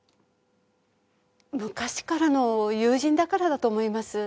昔からの友人だからだと思います。